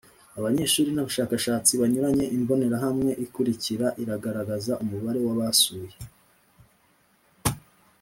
abanyeshuri n abashakashatsi banyuranye Imbonerahamwe ikurikira iragaragaza umubare wabasuye